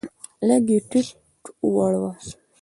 لږ یې ټیټه وړوه.